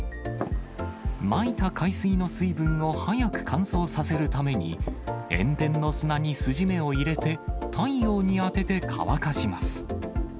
まいた海水の水分を早く乾燥させるために、塩田の砂に筋目を入れて、太陽に当てて乾かします。